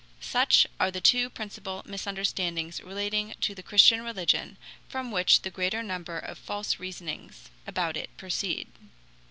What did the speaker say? Such are the two principal misunderstandings relating to the Christian religion, from which the greater number of false reasonings about it proceed.